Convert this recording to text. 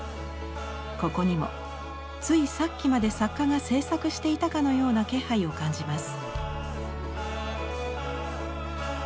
ここにもついさっきまで作家が制作していたかのような気配を感じます。